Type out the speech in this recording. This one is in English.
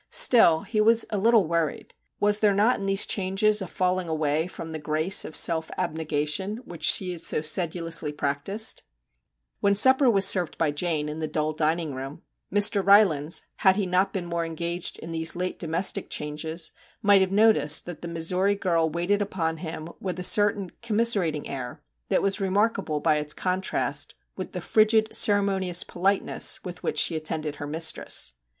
Still he was a little worried was there not in these changes a falling away from the grace of self abnegation which she had so sedulously practised ? MR. JACK HAMLIN'S MEDIATION 41 When supper was served by Jane, in the dull dining room, Mr. Rylands, had he not been more engaged in these late domestic changes, might have noticed that the Missouri girl waited upon, him with a certain commiser ating air that was remarkable by its contrast with the frigid ceremonious politeness with which she attended her mistress.